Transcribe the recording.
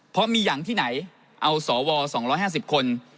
เพราะมีอย่างที่ไหนเอาสว๒๕๐คน